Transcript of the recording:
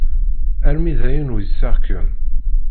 Armi d ayen uyseɣ-kem.